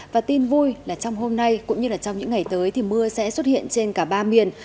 và tin vui là trong hôm nay cũng như trong những ngày tới thì mưa sẽ xuất hiện trên cả ba miền